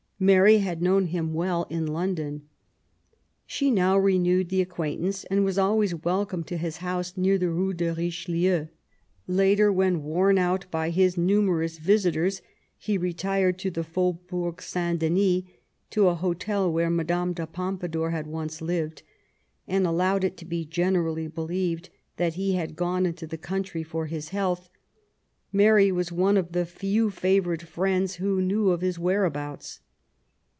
Mary had known him well in London. She now renewed the ac quaintance, and was always welcomed to his house near the Rue de Richelieu. Later^ when, worn out by his numerous visitors, he retired to the Faubourg St. Denis, to a hotel where Madame de Pompadour had once lived, and allowed it to be generally believed that he had gone into the country for his health, Mary was one of the few favoured friends who knew of his where abouts.